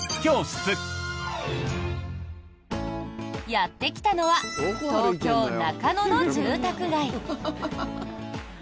やってきたのは東京・中野の住宅街。